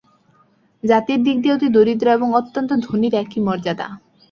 জাতির দিক দিয়া অতি দরিদ্র এবং অত্যন্ত ধনীর একই মর্যাদা।